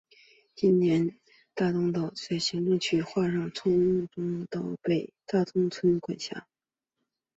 今北大东岛在行政区划上属于冲绳县岛尻郡北大东村管辖。